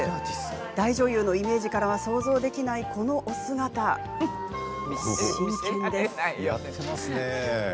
大女優のイメージからは想像できない、このお姿真剣です。